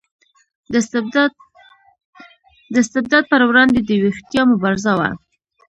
د استبداد پر وړاندې د ویښتیا مبارزه وه.